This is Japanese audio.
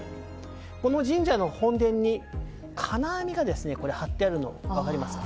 この神社の本殿に金網が張ってあるのが分かりますか。